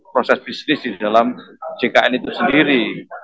proses bisnis di dalam jkn itu sendiri